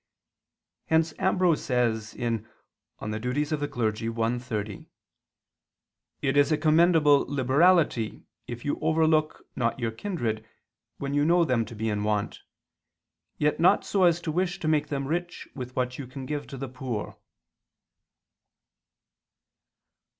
Hence Ambrose says (De Offic. i, 30): "It is a commendable liberality if you overlook not your kindred when you know them to be in want; yet not so as to wish to make them rich with what you can give to the poor."